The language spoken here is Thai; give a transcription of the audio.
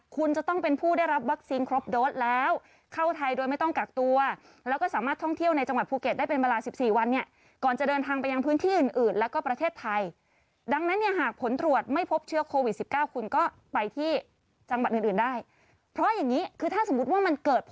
คุณจะต้องเป็นผู้ได้รับวัคซีนครบโดสแล้วเข้าไทยโดยไม่ต้องกักตัวแล้วก็สามารถท่องเที่ยวในจังหวัดภูเก็ตได้เป็นเวลา๑๔วันเนี่ยก่อนจะเดินทางไปยังพื้นที่อื่นอื่นแล้วก็ประเทศไทยดังนั้นเนี่ยหากผลตรวจไม่พบเชื้อโควิด๑๙คุณก็ไปที่จังหวัดอื่นอื่นได้เพราะอย่างนี้คือถ้าสมมุติว่ามันเกิด